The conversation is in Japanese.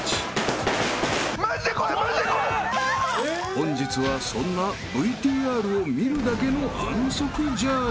［本日はそんなＶＴＲを見るだけの安息ジャーニー］